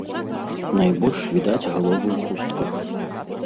Найбольш відаць галовы ў хустках.